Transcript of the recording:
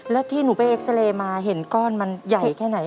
แล้วที่หนูไปเอ็กซาเรย์มาเห็นก้อนมันใหญ่แค่ไหน